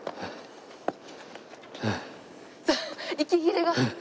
息切れが。